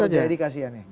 dokter jaya dikasih ya ini